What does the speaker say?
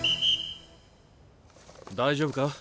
大丈夫か？